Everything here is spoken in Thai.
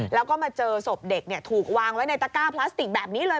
แล้วก็มาเจอศพเด็กถูกวางไว้ในตะก้าพลาสติกแบบนี้เลย